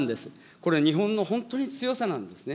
これ、日本の本当に強さなんですね。